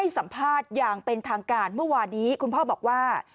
สัมภาษณ์อย่างเป็นทางการเมื่อวานี้คุณพ่อบอกว่า